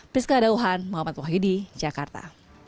mohd mohidi jakarta